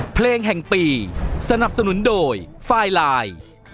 เพลงแห่งปีสนับสนุนโดยไฟไลน์